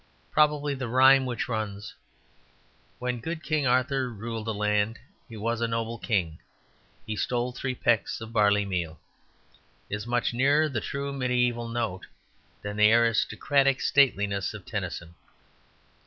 Probably the rhyme which runs, "When good King Arthur ruled this land He was a noble king, He stole three pecks of barley meal," is much nearer the true mediæval note than the aristocratic stateliness of Tennyson.